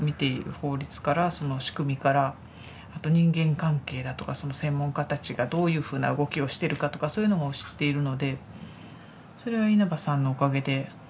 法律からその仕組みからあと人間関係だとかその専門家たちがどういうふうな動きをしてるかとかそういうのも知っているのでそれは稲葉さんのおかげで。